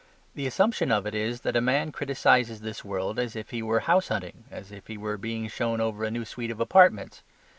The assumption of it is that a man criticises this world as if he were house hunting, as if he were being shown over a new suite of apartments.